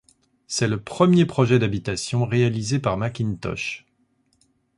C'est le premier projet d'habitation réalisé par Mackintosh.